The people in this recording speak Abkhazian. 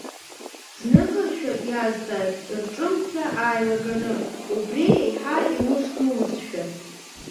Зныкыршәа дизҵааит, рҿымҭра ааилаганы, убри еиҳа иусдузшәа.